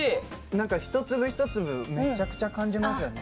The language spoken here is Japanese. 何か一粒一粒めちゃくちゃ感じますよね